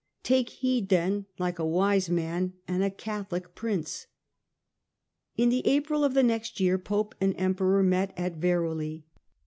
Take heed, then, like a wise man and a Catholic Prince !" In the April of the next year Pope and Emperor met at Veroli.